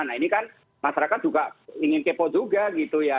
nah ini kan masyarakat juga ingin kepo juga gitu ya